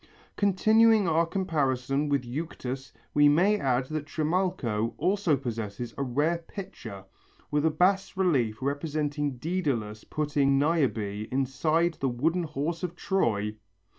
Continuing our comparison with Euctus we may add that Trimalcho also possesses a rare pitcher with a bas relief representing Dædalus putting Niobe inside the wooden horse of Troy!